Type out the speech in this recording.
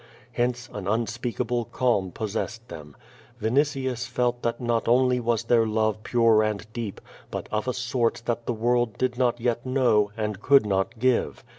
Hence, an unspeakable calm possessed them. Vinitius, felt that not only was their love pure and deep, but of a sort that the world did not yet know, and could not give.